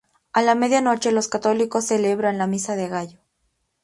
A la medianoche los católicos celebran la Misa del Gallo.